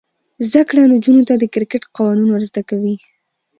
زده کړه نجونو ته د کرکټ قوانین ور زده کوي.